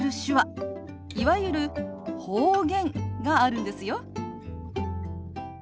いわゆる方言があるんですよ。